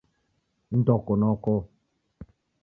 Indoko noko